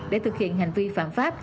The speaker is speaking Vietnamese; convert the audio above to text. để thực hiện hành vi phạm pháp